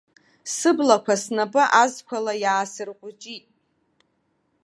Сыблақәа снапы азқәала иаасырҟәыҷит.